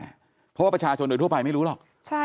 เพราะว่าประชาชนโดยทั่วไปไม่รู้หรอก